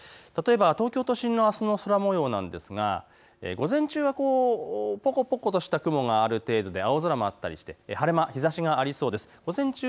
東京都心のあすの空もようなんですが午前中はぽこぽことした雲がある程度で青空もあったりして日ざしもありそうです。